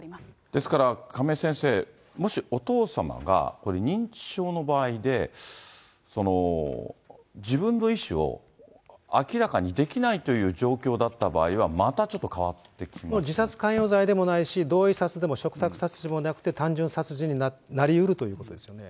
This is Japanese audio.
ですから亀井先生、もしお父様がこれ認知症の場合で、自分の意思を明らかにできないという状況だった場合は、自殺関与罪でもないし、同意殺でも嘱託殺人でもなくて、単純殺人になりうるということですよね。